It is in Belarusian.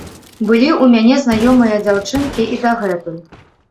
Былі ў мяне знаёмыя дзяўчынкі і дагэтуль.